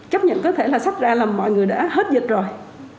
chấp nhận có thể là sách ra là mọi người đã hết dịch rồi